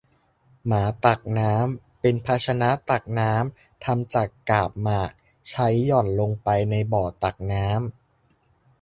หมาตักน้ำ เป็นภาชนะตักน้ำทำจากกาบหมาก ใช้หย่อนลงไปในบ่อตักน้ำ